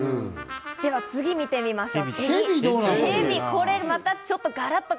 次、見てみましょう。